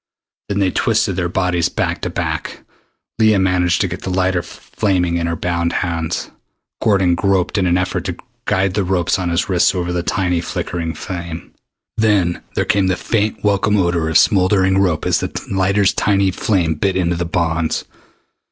Then they twisted their bodies back to back. Leah managed to get the lighter flaming in her bound hands. Gordon groped in an effort to guide the ropes on his wrists over the tiny flickering flame. Then there came the faint welcome odor of smoldering rope as the lighter's tiny flame bit into the bonds.